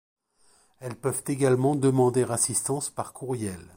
Elles peuvent également demander assistance par courriel.